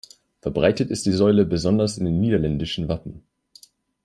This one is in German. Verbreitet ist die Säule besonders in den niederländischen Wappen.